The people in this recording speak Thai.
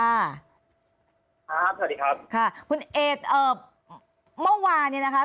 สวัสดีครับค่ะคุณเอกเอ่อเมื่อวานเนี่ยนะคะ